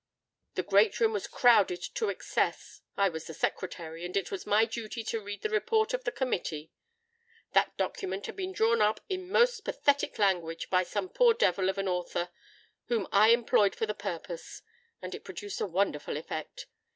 The great room was crowded to excess. I was the Secretary, and it was my duty to read the Report of the Committee. That document had been drawn up in most pathetic language by some poor devil of an author whom I employed for the purpose; and it produced a wonderful effect.